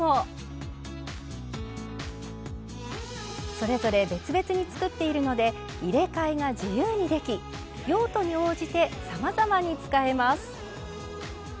それぞれ別々に作っているので入れ替えが自由にでき用途に応じてさまざまに使えます。